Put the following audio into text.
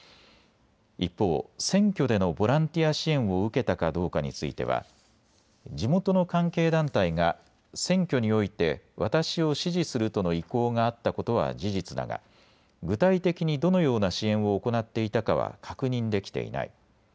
一方、選挙でのボランティア支援を受けたかどうかについては地元の関係団体が選挙において私を支持するとの意向があったことは事実だが具体的にどのような支援を行っていたかは確認できていない。